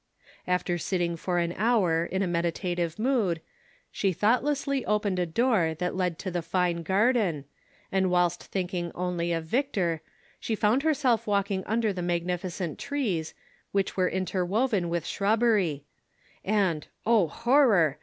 After sittiug for an hour in a meditative mood, she thoughtlessly opened a door that led to the fine garden, and whilst thinking only of Victor, she found herself walking under the magnificent trees, which were inter woven with shrubbery, and, O, horror!